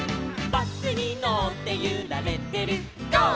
「バスにのってゆられてるゴー！